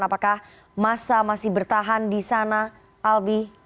apakah masa masih bertahan di sana albi